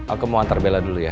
aku mau antar bella dulu ya